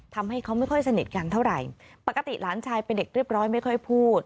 ทำให้เขาไม่ค่อยสนิทกันเท่าไหร่ปกติหลานชายเป็นเด็กเรียบร้อยไม่ค่อยพูด